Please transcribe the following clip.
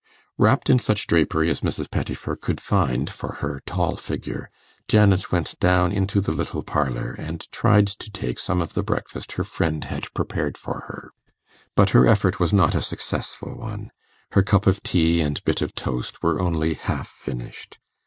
Wrapt in such drapery as Mrs. Pettifer could find for her tall figure, Janet went down into the little parlour, and tried to take some of the breakfast her friend had prepared for her. But her effort was not a successful one; her cup of tea and bit of toast were only half finished.